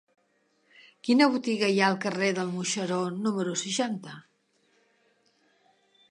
Quina botiga hi ha al carrer del Moixeró número seixanta?